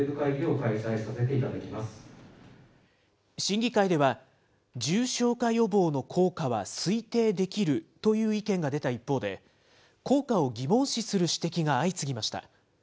審議会では、重症化予防の効果は推定できるという意見が出た一方で、効果を疑問視する指摘が相次ぎました。